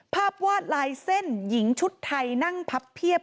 วาดลายเส้นหญิงชุดไทยนั่งพับเพียบ